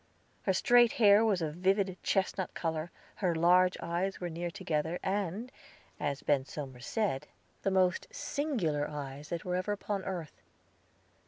Her straight hair was a vivid chestnut color. Her large eyes were near together; and, as Ben Somers said, the most singular eyes that were ever upon earth.